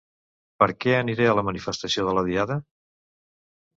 Per què aniré a la manifestació de la Diada?